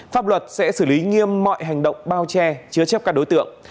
pháp luật sẽ xử lý nghiêm mọi hành động bao che chứa chấp các đối tượng